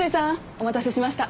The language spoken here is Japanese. お待たせしました。